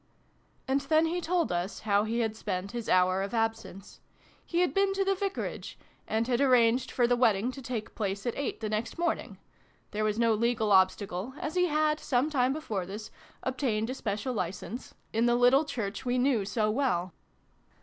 And then he told us how he had spent his hour of absence. He had been to the Vicarage, and had arranged for the wedding to take place at eight the next morning (there was no legal obstacle, as he had, some time before this, obtained a Special License) in the little church 278 SYLVIE AND BRUNO CONCLUDED. we knew so well.